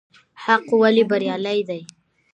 حق ولې بريالی دی؟